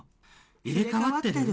「入れ替わってる！？」